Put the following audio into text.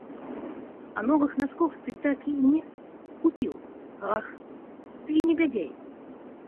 А новых носков ты так и не купил? Ах, ты негодяй!